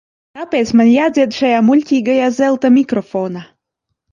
Kāpēc man jādzied šajā muļķīgajā zelta mikrofonā?